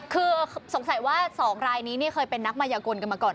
คือสงสัยว่าสองรายนี้ค่อยเป็นนักไมยาโกนกันมาก่อน